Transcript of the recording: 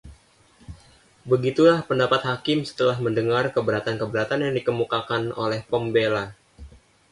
begitulah pendapat hakim setelah mendengar keberatan-keberatan yang dikemukakan oleh pembela